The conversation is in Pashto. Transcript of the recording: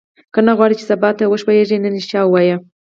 که نه غواړې چې سبا ته وښوېږې نن ریښتیا ووایه.